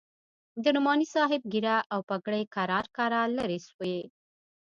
د نعماني صاحب ږيره او پګړۍ کرار کرار لرې سوې.